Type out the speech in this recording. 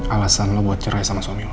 alasan lo buat cerai sama suami